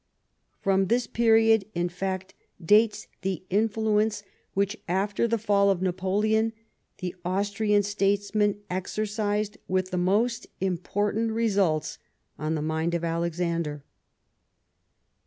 From this period, in fact, dates the mfluence which, after the fall of Napoleon, the Austrian statesman exercised, with the most important results, on the mind of Alexander.